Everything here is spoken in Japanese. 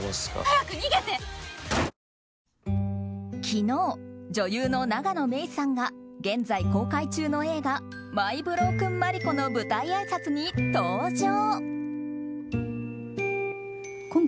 昨日、女優の永野芽郁さんが現在公開中の映画「マイ・ブロークン・マリコ」の舞台あいさつに登場。